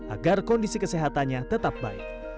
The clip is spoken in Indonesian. agar kondisi kesehatannya tetap baik